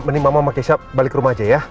mending mama sama keisha balik rumah aja ya